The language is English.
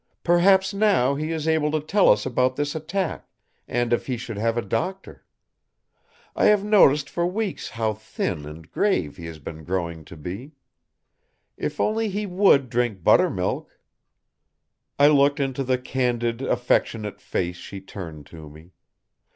Perhaps now he is able to tell us about this attack, and if he should have a doctor. I have noticed for weeks how thin and grave he has been growing to be. If only he would drink buttermilk!" I looked into the candid, affectionate face she turned to me.